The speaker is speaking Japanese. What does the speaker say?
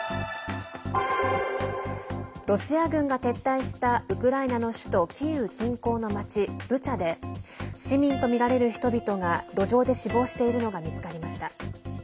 ロシア軍が撤退したウクライナの首都キーウ近郊の町ブチャで市民とみられる人々が路上で死亡しているのが見つかりました。